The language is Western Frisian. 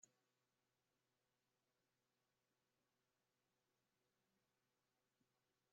Is men wat âlder, dan kin men sa'n drege sitewaasje better ferneare.